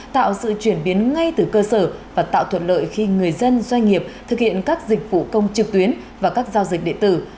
tạo sự chuyển biến ngay từ cơ sở và tạo thuận lợi khi người dân doanh nghiệp thực hiện các dịch vụ công trực tuyến và các giao dịch điện tử